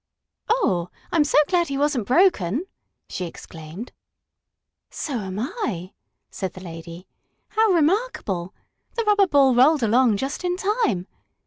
"Oh, I'm so glad he wasn't broken!" she exclaimed. "So am I!" said the lady. "How remarkable! The rubber ball rolled along just in time.